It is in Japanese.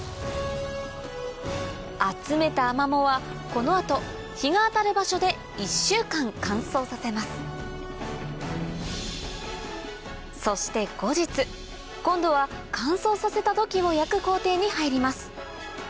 集めたアマモはこの後日が当たる場所で１週間乾燥させますそして後日今度は乾燥させた土器を焼く工程に入ります